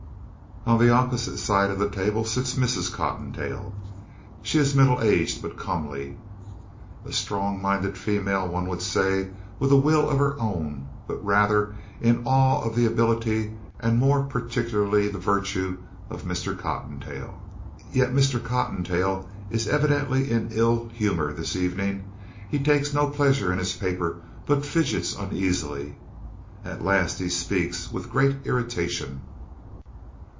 On the opposite side of the table sits Mrs. Cottontail. She is middle aged but comely. A strong minded female, one would say, with a will of her own, but rather in awe of the ability and more particularly the virtue of Mr. Cottontail. Yet Mr. Cottontail is evidently in ill humor this evening. He takes no pleasure in his paper, but fidgets uneasily. At last he speaks with great irritation.